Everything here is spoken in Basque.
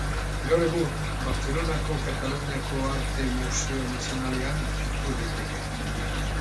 Gaur egun Bartzelonako Kataluniako Arte Museo Nazionalean ikus daiteke.